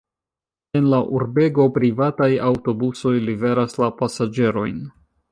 En la urbego privataj aŭtobusoj liveras la pasaĝerojn.